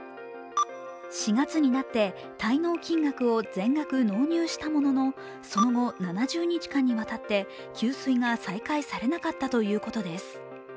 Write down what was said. ４月になって滞納金額を全額納入したものの、その後７０日間にわたって、給水が再開されなかったということです。